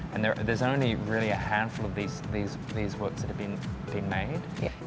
dan hanya ada beberapa juta pekerjaan yang telah dibuat